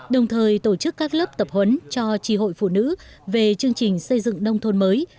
đồng thời tổ chức các lớp tập huấn cho tri hội phụ nữ về chương trình xây dựng nông thôn mới